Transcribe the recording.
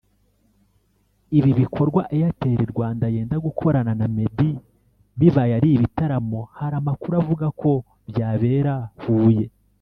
Ibi bikorwa Airtel Rwanda yenda gukorana na Meddy bibaye ari ibitaramo hari amakuru avuga ko byabera Huye